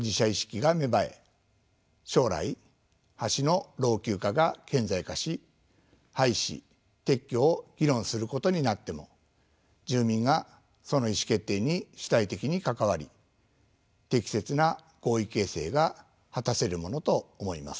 将来橋の老朽化が顕在化し廃止・撤去を議論することになっても住民がその意思決定に主体的に関わり適切な合意形成が果たせるものと思います。